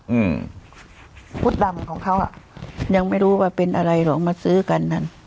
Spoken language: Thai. อืมพุทธดำของเขาอ่ะยังไม่รู้ว่าเป็นอะไรหรอกมาซื้อกันนั่น